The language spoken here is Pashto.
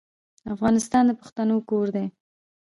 افغانستان د پښتنو کور دی.